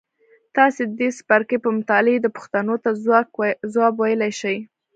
تاسې د دې څپرکي په مطالعې دې پوښتنو ته ځواب ویلای شئ.